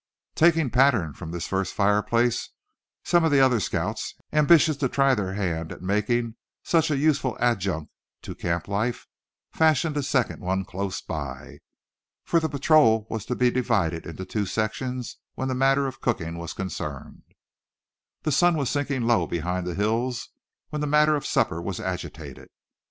Taking pattern from this first fireplace some of the other scouts, ambitious to try their hand at making such a useful adjunct to camp life, fashioned a second one close by. For the patrol was to be divided into two sections, when the matter of cooking was concerned. The sun was sinking low behind the hills when the matter of supper was agitated.